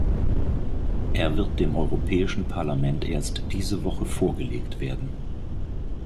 Er wird dem Europäischen Parlament erst diese Woche vorgelegt werden.